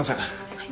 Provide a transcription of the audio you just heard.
はい。